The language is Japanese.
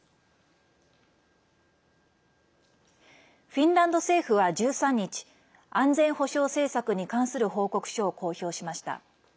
フィンランド政府は１３日安全保障政策に関する報告書を公表しました。